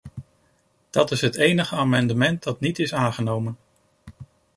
Dat is het enige amendement dat niet is aangenomen.